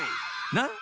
なっ？